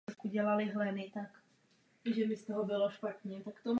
Mlýn je přístupný.